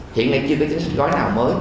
hiện nay chưa biết tính sách gói nào mới